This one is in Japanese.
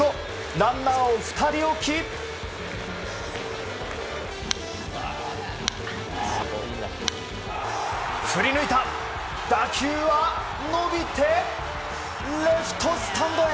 ランナーを２人置き振り抜いた打球は伸びて、レフトスタンドへ。